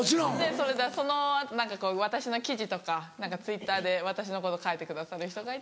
それでその何かこう私の記事とか何かＴｗｉｔｔｅｒで私のこと書いてくださる人がいて。